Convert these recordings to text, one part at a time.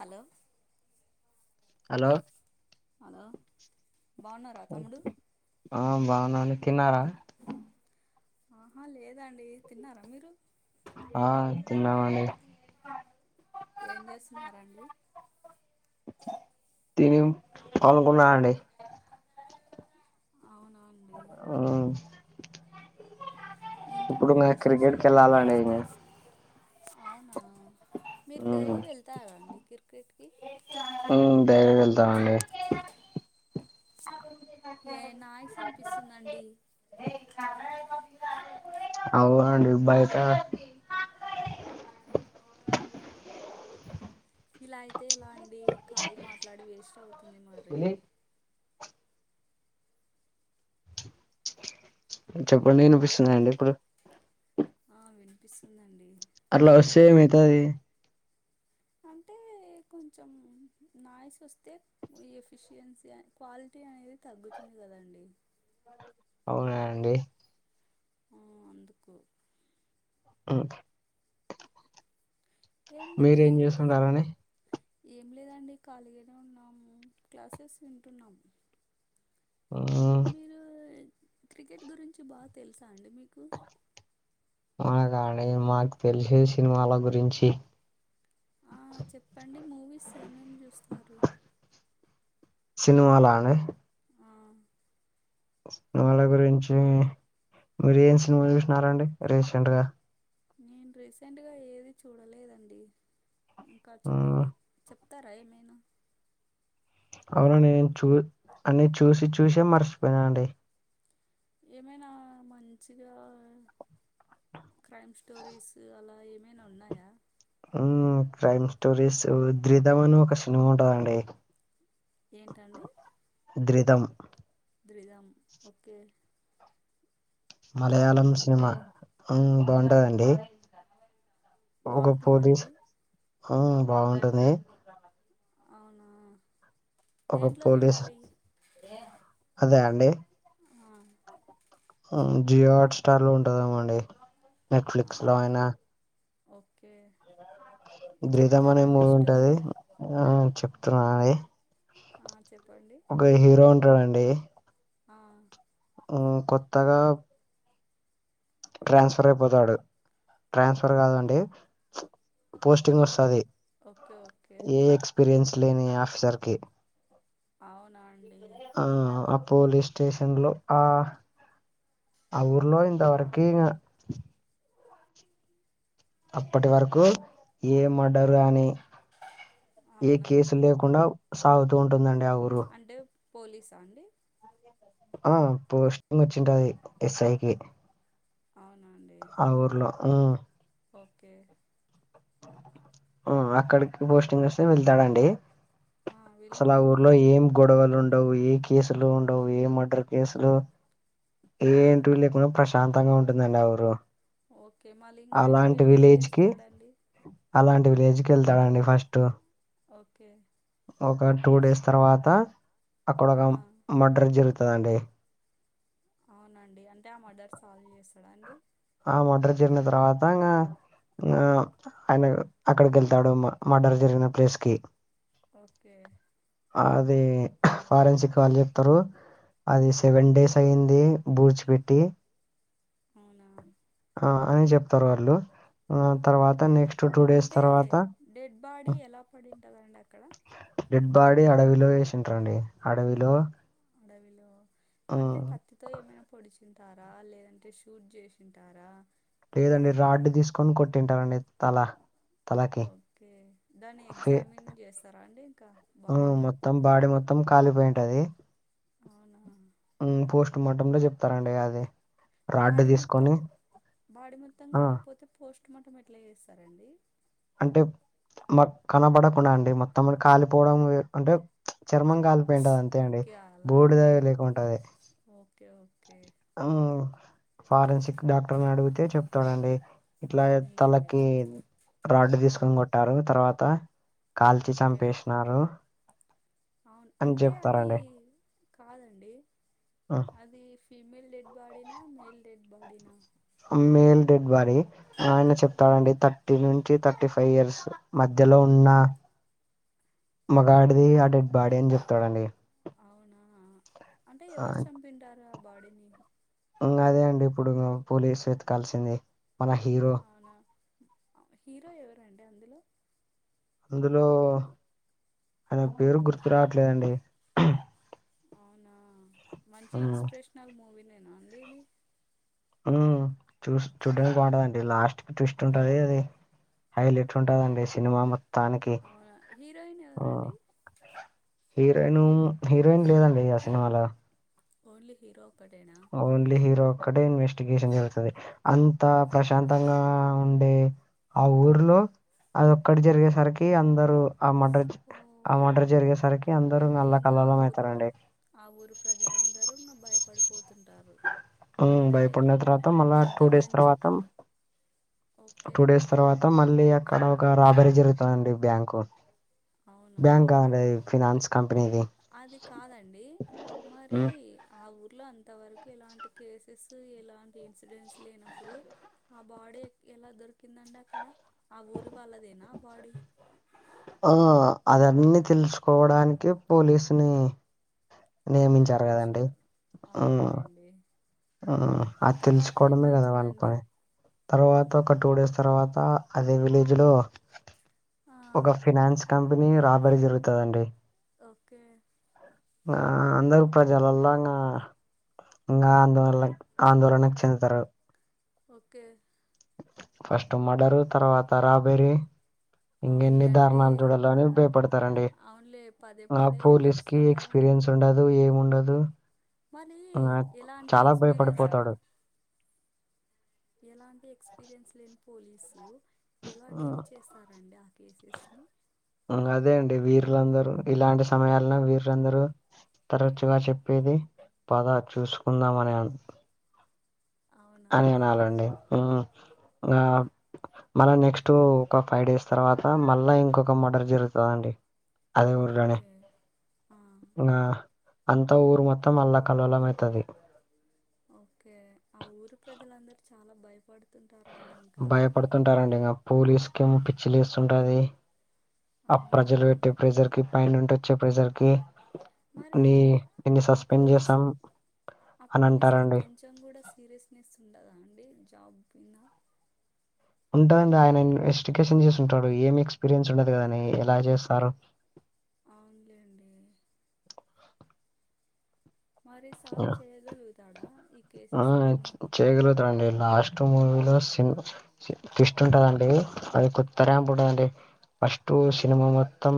Hello hello hello బావున్నారా తమ్ముడు ఆ బావున్న అండి తిన్నారా ఆహా లేదండి తిన్నారా మీరు ఆ తిన్నమండి ఏం చేస్తున్నారండి తేవ్ పడుకున్న అండి అవునా అండి ఆ ఏంటండి కి విశేషాలు వెళ్ళాలండి ఇంగ అవునా మీరు మ్మ్ డైలీ వెళ్తారా అండి క్రికెట్కి ఆ డైలి వెళ్తానండి ఏ నాయిస్ ఇనిపిస్తుందండి అవునండి బయట ఇలా అయితే ఎలా అండి కాల్ మాట్లాడి వేస్ట్ అవుతుంది మరి చెప్పండి ఇనిపిస్తుందండి ఇప్పుడు ఆ వినిపిస్తుందండి అట్లా వస్తే ఏమైతది అంటే కొంచెం నాయిస్ వస్తే ఎఫిషియన్సీ క్వాలిటీ అనేది తగ్గుతుంది కదండి అవునా అండి హ్మ్ అందుకు మ్ యండి మీరేం చేస్తుంటారండి ఏం లేదండి ఖాళీగానే ఉన్నాము క్లాసెస్ వింటున్నాము ఆ మీరు క్రికెట్ గురించి బా తెలుసా అండి మీకు అ కాని మాకు తెలిసే సినిమాల గురించి ఆ చెప్పండి మూవీస్ ఏమేమి చూస్తారు సినిమాలనే ఆ సినిమాల గురించి మీరు ఏం సినిమా చూసినారండి రీసెంట్గా నేను రీసెంట్గా ఏది చూడలేదండి ఇంకా హ్మ్. చూడాలి చెప్ త్తర ఏమైన అవునండి నేను చూ అన్ని చూసి చూసే మర్చిపోయినా అండి ఏమైనా మంచిగా క్రైమ్ స్టోరీస్ అలా ఏమైనా ఉన్నాయా ఉమ్ క్రైమ్ స్టోరీసు ద్రిదం అని ఒక సినిమా ఉంటాదండి ఎంటండి ద్రిదం ద్రిదం ఓకే మలయాళం బాగుంటుందండి సినిమా ఉమ్ బావుంటదండి ఒక బాగుంటుందా పోలీస్ అండి ఉ బాగుంటుంది అవునా ఒక దేంట్లో పోలీస్ చూడాలి అదే అండి హా అ జియో హాస్టార్ లో ఉంటాదేమొ అండి ఆ నెట్ఫ్లిక్స్ లో అయినా ఓకే 'ధృతం' అనే చెప్తరా అండి మూవీ ఉంటది. స్టోరి ఆ చెప్తున్నా అండి ఆ చెప్పండి ఒక హీరో ఉంటాడండి ఆ ఆ కొత్తగా ట్రాన్స్ఫర్ అయిపోతాడు ట్రాన్స్ఫర్ కాదండి ఓ పోస్టింగ్ వస్తాది ఓకే ఓకే ఏ ఎక్స్పీరియన్స్ లేని ఆఫీసర్ కి అవునా అండి ఆ అ పోలీస్ స్టేషన్ లో ఆ ఆ ఊర్లో ఇంతవరకు కి ఇంగ అప్పటి వరకు ఏ మర్డర్ గాని ఏ అవునా కేసు లేక కుండా సాగుతు ఉంటుందండీ ఆ ఊరు అంటే పోలీస్ సా అండి ఆ పోస్టింగ్ వచ్చింటాది ఎస్ఐ కీ అవున అండి ఊర్లో ఉమ్ ఒకే ఉ అకాడ్కి పోస్టింగ్ వస్తే వెళ్తడండీ ఆ వెళ్ళి అసల్ ఆ ఊరు లో ఏం గొడవలు ఉండవు ఏ కేసులు ఉండవు ఏ మర్డర్ కేసులు ఏ ఇంటూ లేకుండ ప్రశాంతంగా ఉంటుందండి ఆ ఊరు ఓకే మళ్ళీ ఇంగ ఆయన అలాంటి వెళ్లి ఏం విలేజ్ కి చేస్తాడండి అలాంటి విలేజ్కెల్తడండి ఫస్ట్ ఒకే ఒక టూ డేస్ తర్వాత అక్కడ ఒక ఆ మర్డర్ జరుగుతదండి అవున అండి అంటే ఆ మర్డర్ సాల్వ్ చేస్తడా అండి ఆ మర్డర్ జరిగిన తర్వాత ఇంగా ఇంగ ఆ ఆయన అక్కడికెళ్తాడు మర్డర్ జరిగిన ప్లేస్ కి ఒకే అదీ ఫారెన్సిక్ వాళ్ళు చెప్తారు అది సెవెన్ డేస్ అయ్యింది బూడ్చి పెట్టి అవునా ఆ అని చెప్తారు వాళ్ళు ఆ తర్వాత ఓకే నెక్స్ట్ టూ డేస్ అంటే తర్వాత డెడ్ బాడీ యేలా పడి ఉంటదండి అక్కడ డెడ్ బాడీ అడవిలో వేషింతరండి అడవిలో అడవిలో అంటే ఉమ్, క త్తితో ఏమైనా పొడిషి ఉంటార లేదంటే షూట్ జేషింటార లేదండి రాడ్ తీసుకొని కొట్టింటారండి తలా ఒకే దాన్ని ఎగ్జామిన్ చేస్తరా అండి ఇంకా ఉమ్, బాడీని మొత్తం బాడీ మొత్తం కాలిపోయి ఉంటది అవునా ఉ పోస్టుమార్టం లో చెప్తారండి అదే బాడి మొత్తం బాడి మొత్తం ఆ కలిపోతే పోస్టుమర్టం ఎట్లా చేస్తారండి అంటే మ కనపడకుండా అండి మొత్తం కాలిపోవడం అంటే చర్మం కాలిపోయి ఉంటది అంతే అండి ఓకే అలానా బూడుద లేక ఉంటది ఓకే ఓకే ఆ ఫారెన్సిక్ డాక్టర్ని అడిగితే చెప్తాడంండి ఇట్లా య్ అవునులేండి తలకి రాడ్డు తీసుకొని రాడ్ కొట్టారు తర్వాత కాల్చి ఓకే చంపేసినారు అవును అని అంటే అది చెప్తారండి కాదండి అది ఫీమేల్ డెడ్ బాడిన మేల్ డెడ్ బాడినా మేయిల్ డెడ్ బాడి ఆయన ఓ చెప్తాడంండి త టీ నుంచి థర్టీ ఫైవ్ ఇయర్స్ మధ్యలో ఉన్న ఆ మగాడిది అటు బాడీ అని చెప్తాడండి అవునా అంటే ఆ, ఎవరు చంపి ఉంటారు ఆ బాడీని ఉమ్ అదే అండి ఇప్పుడు పోలీసు వెతకాల్సింది మన హీరో అవున హీరో ఎవరండి అందులో అందులో ఆయన పేరు గుర్తు రావట్లేదండి అవునా మంచి మ్మ్ ఇన్స్పిరేషనల్ మూవీ నేన అండి ఇది ఉమ్ చూ చూడ్డానికి బాగుంటదండి లాస్ట్ కి ట్విస్ట్ ఉంటుది అది హైలెట్ ఉంటదండి సినిమా మొత్తానికి అవున హీరోయిన్ ఎవరండి హీరోయిను హీరోయిన్ లేదండి ఆ సినిమాలో ఓన్లీ హీరో ఒక్కడేన ఓన్లీ హీరో ఒక్కడే ఇన్వెస్టిగేషన్ జరుగుతుంది అంత ప్రశాంతంగా ఉండే ఆ ఊర్లో అది ఒక్కటి జరిగేసరికి అందరుూ ఆ మడర్ ఓ ఆ మడర్ జరిగేసరికి అందరుూ అంటే అల్లా ఇంగ ఆ కల్లోళం ఊరు అవుతారండి ఆ ఊరు ప్రజలందరూ ఇంగ భయపడిపోతు తుంటారు ఉమ్ అంటే భయపడిన తర్వాత మళ్ళా అంత టూ డేస్ మంచి తర్వాత ఓ క్ టూ డేస్ తర్వాత మళ్ళీ అక్కడ ఒక రాబరీ జరుగుతుందండి బ్యాంకు అవునా బ్యాంక్ కాదండి అది ఫినాన్స్ కంపెనీది అది కాదండి మరి ఉమ్, ఆ ఊర్లో అంతవరకు ఎలాంటి కేసెస్ ఎలాంటి ఇన్సిడెంట్స్ లేనప్పుడు ఆ బాడీ ఎలా దొరికిందండి అక్కడ ఆ ఊరి వాళ్ళదేన ఆ బాడీ ఆ అదన్నిీ తెలుసుకోవడానికె పోలీసుని ఆ పాయింట్ నియమించారు కదండి చేసినారు అవును అవునులేండి అది తర్వాత తెలుసుకోవడమే కదా వాల్ల ఏమైతుందండి పని తర్వాత ఒక టూ డేస్ తర్వాత అదే విలేజ్ లో ఆ ఒక ఫినాన్స్ కంపెనీ రాబడి జరుగుత దండి ఓకే ఆ అందరూ ప్రజలుండంగా ఇంకా అందువల్ల ఆందోళనకు చెందుతారు ఓకే ఫస్ట్ మడరు తర్వాత రాబెరీ ఇంక ఎన్ని అవునులే అంటే దారణాలు చూడాలో అని భయపడతారండి అవునులే పదే ఆ పదే పోలీస్ కి వరుసగా ఎక్స్పీరియన్స్ ఉండదు ఏమి ఉండదు మరి నా ఎలాంటి చాల ఎక్స్పీరియన్స్ లే భయపడిపోతాడు ఎలాంటి ఎక్స్పీరియన్స్ లేని పోలీసు ఎలా ఉమ్, డీల్ చేస్ తార్ అండి ఆ కేసెస్ అదే అండి వీర్లందరూ ఇలాంటి సమయాల వీరులందరూ తరచుగ చెప్పేది పద చూసుకుందామ అని అ అవునా అని అనాలండి మ్మ్ ఆ మళ్ళా నెక్స్ట్ ఒక ఫైవ్ డేస్ తర్వాత మళ్ళా ఇంకొక మర్డర్ జరుగుతదండి, అదే ఊరటనే ఓకే ఆ ఆ అంత ఊరు మొత్తం అల్ల కల్లోలమవుతది, ఓకే ఆ ఊరి ప్రజలందరూ చాలా భయపడుతుంటారండి ఇంకా కుంటారండి ఆ పోలీసుకేమో పిచ్చిలేస్తుంటది, ఆ అవునా ప్రజలు పెట్టె ప్రెజర్ కి పైనుండొచ్చే ప్రెజర్ కి మరి నీ నిన్ను ఆ సస్పెండ్ పోలీస్ చేసాం ఆ అని పోలీస్ కి అంటారండి కొం చెం కూడా సీరియస్నెస్ ఉండదా అండి జాబ్ మింద ఉంటదండి ఆయన ఇన్వెస్టిగేషన్ చేసి ఉంటాడు, ఏం ఎక్స్పీరియన్స్ ఉండదు కదని ఎలా చేస్తారు అవునులేండి మరి సాల్వ్ చేయగలుగుతాడా ఈ కేసెస్ అన్ని, చేయగలుగుతాడండీ, లాస్ట్ మూవీలో సిన్ ట్విస్ట్ ఉంటదండి అది కొత్త ర్యాంపుంటదండి, ఫస్ట్ సినిమా మొత్తం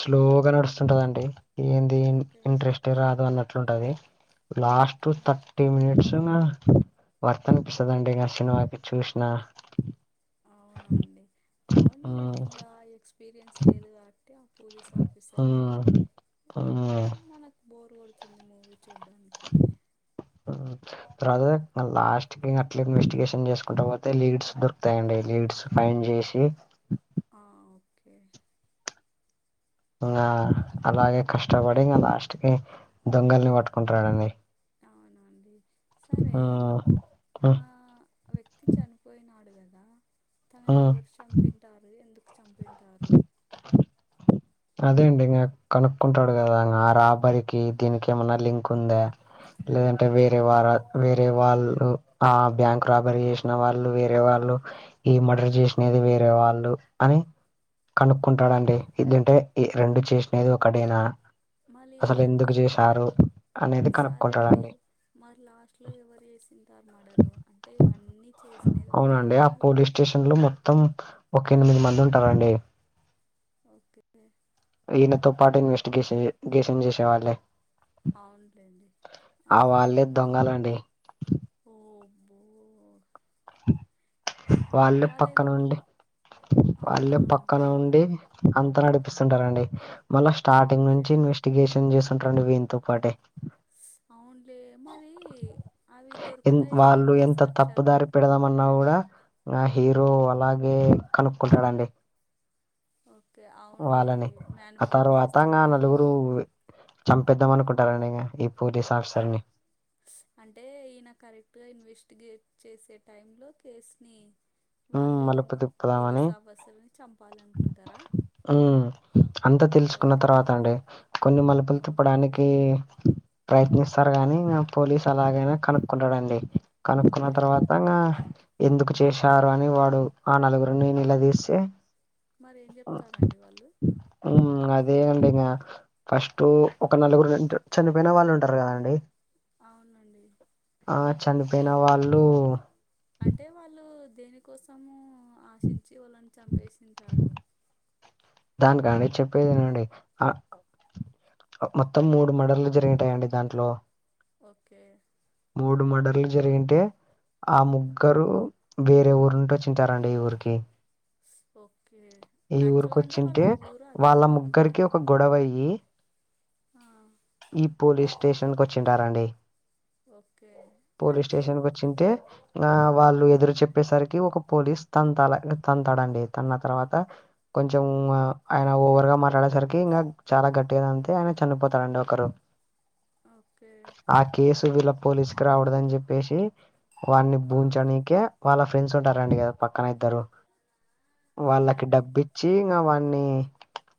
స్లోగా నడుస్తుంటదండి, ఏంది ఓకే ఇంట్రెస్ట్ రాదు అన్నట్లుంటది లాస్ట్ ఓకే త టీ మినిట్సున వర్తనిపిస్తదండి ఇ సినిమాకి చూసిన, అవునులేండి ఉమ్, ఇంగ ఎక్స్పీరియన్స్ లేదు కాబట్టి అ పోలీస్ ఉమ్ ఆఫీసర్కి, ఉమ్ బోర్ కోడుతుంది మూవీ చూడ్డానికి, అ తర్వాత లాస్ట్ కి అట్లా ఇన్వెస్టిగేషన్ చేసుకుంట పోతే లీడ్స్ దొరుకుతాయండి, లీడ్స్ మైన్ చేసి ఆ ఓకే ఇంగ అలాగే కష్టపడి ఇంగ లాస్ట్ కి దొంగల్ని పట్టుకుంటాడండి, అవునాండి సరే ఉమ్ ఉమ్ ఆ ఆ వ్యక్తి చనిపోయినాడు కదా, తనని ఉమ్. ఎవరు చంపుంటారు ఎందుకు చంపుంటారు అదే అండి ఇంగ కనుక్కుంటాడు కదా, ఆ రాబరికి దీనికి ఏమన్నా లింక్ ఉందా, లేదంటే ఆ వేరే వారా వే రే వాళ్ళు ఆ బ్యాంక్ రాబరి చేసిన వాళ్ళు, వేరే వాళ్ళు ఈ మర్డర్ చేసినది వేరే వాళ్ళు అని కనుక్కుంటాడండి, ఇదుంటే ఈ రెండు చేసినది ఒకడేనా? మళ్ళీ అసలు ఎలా అండి ఎందుకు చేసారు? అనేది సరే అండి కనుక్తుంటడండీ మరి లాస్ట్లో ఎవరు చేసుంటారు మర్డరు, అంటే ఇవన్నీ చేసినది అవునండి ఒక్కరేనా? ఆ పోలీస్ స్టేషన్ లో మొత్తం ఒక ఎనిమిది మంది ఉంటారండి, ఓకే ఈయనతో పాటు ఇన్వెస్టిగేషన్ గేషన్ చేసే వాళ్ళే, అవునులేండి ఆ ఆశ్ వాళ్ళే దొంగలండి ఓబ్బో వాళ్ళే వాళ్ళెన్ పక్కన ఉండి అవునా వాళ్ళే పక్కన ఉండి, అంత నడిపిస్తుంటారండి, మళ్ళా స్టార్టింగ్ ఓకే నుంచి ఇన్వెస్ స్టిగేషన్ చేస్తుంటండి వీనితో పాటే, అవునులే, మరి అవి దొరుకుతాయి కదండి సాక్ష్యాలు, పెడదాం అన్నా కూడా ఆ హీరో అలాగే కనుక్కుంటాడండి ఓకే అవునులే వాళ్ళని ఇంగ మ్యానిపులేట్ తర్వాతంగా చేస్తుంటారు నల్లూరు చంపేద్దాం అనుకుంటారండి ఇంగ ఈ పోలీస్ ఆఫీసర్ ని అంటే ఈయన కరెక్ట్ గా ఇన్వెస్టిగేట్ చేసే టైమ్ లో కేస్ ని ఉమ్ వాళ్ళు మలుపు ఇయన్నీ తిప్పుదామని పోలీస్ ఆఫీసర్ని చంపాలనుకుంటారా ఉ అంతా తెలుసుకున్న ఓకే తర్వాత అండి కొన్ని మలుపులు ఓకే తిప్పడానికి ప్రయత్నిస్తారు గాని ఇంగ పోలీసు అలాగైనా కనుక్కుంటాడండి కనుక్కున్న ఓకే తర్వాత ఇంగ ఎందుకు చేసి చారు అని వాడు ఆ నలుగురునీ నిలదిసి మరి ఏం చెప్తారండి వాళ్ళు ఉహు అదే అండి మ్యాడ్ ఫస్ట్ ఒక నలుగురు చనిపోయిన వాళ్ళు ఉంటారు కదండి అవునండి ఆ అ చనిపోయిన వాళ్ళు అంటే వాళ్ళు దేనికోసము ఆశించి వాళ్ళని చంపేసింటారు దాని కా అండి చెప్పేది వినండి అ మొత్తం మూడు మడర్లు జరిగుతాయండి దాంట్లో ఓకే మూడు మడర్లు జరిగింటే ఆ ముకరు వేరే ఊరుంటో నుచిఅచ్చిటారండి ఈ ఊరికి ఓకే ఈ ఊరికి యాక్చువల్గా అంటే వాళ్ళ అచ్చింటే ఊరు అది వాళ్ళ కాదు ఇంకా ముగ్గరికి ఒక గొడవ అయ్యి ఆ ఈ పోలీస్ స్టేషన్ కు అచ్చింటారాండి ఓకే పోలీసు అంటే స్టేషన్కుచింటే ఆ వాళ్ళు ఎదురు చెప్పేసరికి ఒక పోలీస్ తంతాల తంతాడండి తన్న తర్వాత కొంచెం ఉమా ఆయన ఓకే ఓవర్ గా మాట్లాడేసరికి ఇంగా చాలా గట్టిగాద అంతే ఆయన చనిపోతారండి ఒకరు ఓకే ఆ కేసు వీళ్ళ పోలీసుకి రాకూడద చెప్పేసి వారిని ఆ బూంచనీకే వాళ్ళ ఫ్రెండ్స్ ఉంటారండి కదా పక్కన ఇద్దరు వాళ్ళకి అవునండి డబ్బి ఇచ్చి ఇంక వా్ని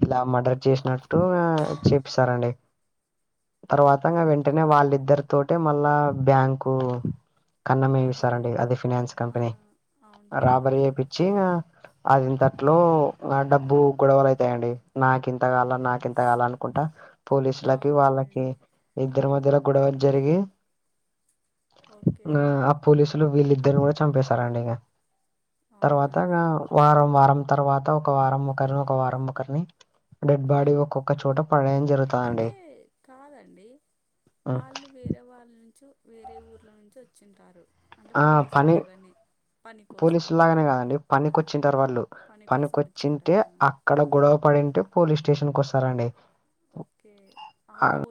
ఇలా మర్డర్ చేసినట్టు ఆ చె ారండి తర్వాత ఓకే వెంటనే వాళ్ళిద్దరు తోటే మళ్ళా బ్యాంకు కన్నంే ఏ స్ట్రాబెర్రీ ఇస్తారండి అది ఫినన్స్ ఆ కంపెనీ అవునులేండి రాబరీ చేపిచ్చి ఇగ అది ఇంతట్లో నా డబ్బు గొడవలు అయితయండి నాకి ఇంత కాల నాకు ఇంతగాలని కుట పోలీసులకి వాళ్ళకి అవునులేండి ఇద్దరు మధ్యల గొడవలు జరిగి ఓకే నా అ పోలీసులు వీళ్ళిద్దరిని కూడా చంపేశారండి ఇక అవునా తర్వాత అండి ఇ వారం వారం తర్వాత ఒక వారం ఒకరిని ఒక వారం ఒకరిని డెడ్ బాడీ ఒక్కొక్క చోట అవేం జరుగుత్ అంటే కాదండి హ్మ్. వాళ్ళు వేరే వాళ్ళ నుంచు వేరే ఊర్లో నుంచి వచ్చింటారు అంటే ఆ పని పోలీసులాగానే పోలీసు లాగానే కాదండి పనికొచ్చింటారు వాళ్ళు పని కోసం పనికొచ్చింటే వచ్చింటారా ఆ అక్కడ గొడవ పడింటే పోలీస్ స్టేషన్ కు అస్తారండి ఓకే ఆపో